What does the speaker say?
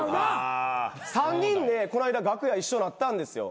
３人でこないだ楽屋一緒なったんですよ。